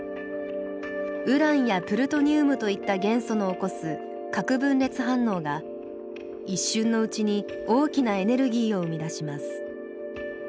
ウランやプルトニウムといった元素の起こす核分裂反応が一瞬のうちに大きなエネルギーを生み出します。